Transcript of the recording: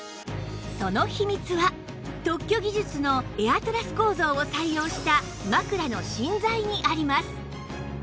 その秘密は特許技術のエアトラス構造を採用した枕の芯材にあります